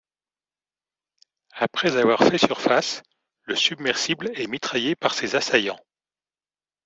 Après avoir fait surface, le submersible est mitraillé par ses assaillants.